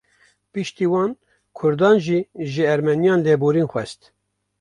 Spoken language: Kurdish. Piştî wan, Kurdan jî ji Ermeniyan lêborîn xwest